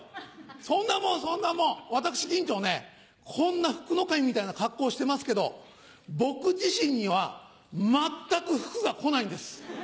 そんなもんそんなもん私銀蝶ねこんな福の神みたいな格好をしてますけど僕自身には全く福が来ないんです。